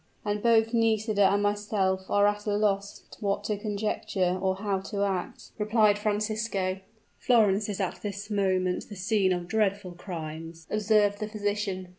"And both Nisida and myself are at a loss what to conjecture, or how to act," replied Francisco. "Florence is at this moment the scene of dreadful crimes," observed the physician.